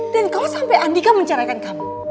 dan kalau sampai andika mencerahkan kamu